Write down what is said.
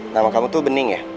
nama kamu tuh bening ya